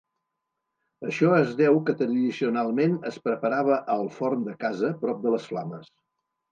Això es deu que tradicionalment es preparava al forn de casa prop de les flames.